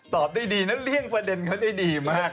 ตอบได้ดีนะเลี่ยงประเด็นเขาได้ดีมาก